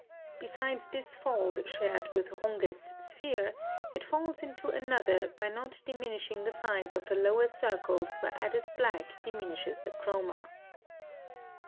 Besides this fault shared with Runge's sphere, it falls into another by not diminishing the size of the lower circles where added black diminishes the chroma.